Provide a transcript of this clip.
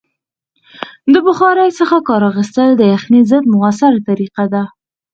د بخارۍ څخه کار اخیستل د یخنۍ ضد مؤثره طریقه ده.